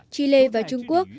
chile và trung quốc